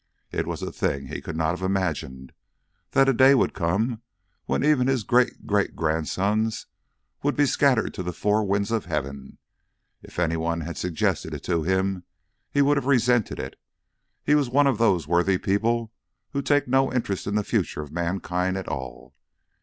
It was a thing he could not have imagined, that a day would come when even his great great grandsons would be scattered to the four winds of heaven. If any one had suggested it to him he would have resented it. He was one of those worthy people who take no interest in the future of mankind at all.